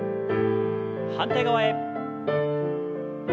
反対側へ。